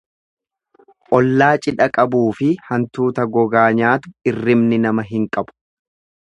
Ollaa cidha qabuufi hantuuta gogaa nyaatu irribni nama hin qabu.